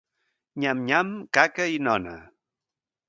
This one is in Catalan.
Nyam-nyam, caca i nona...